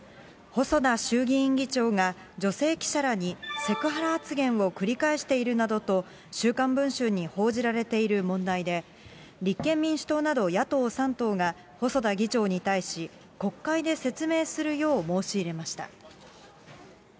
細田衆議院議長が女性記者らにセクハラ発言を繰り返しているなどと、週刊文春に報じられている問題で、立憲民主党など野党３党が、細田議長に対し、国会で説明するよう申し入れました。